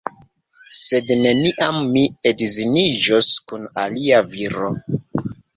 Sed neniam mi edziniĝos kun alia viro.